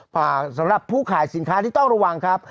เลยนะครับสำหรับผู้ขายสินค้าที่ต้องระวังครับ